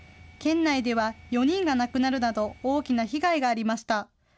県内では４人が亡くなるなど、大きな被害がありました。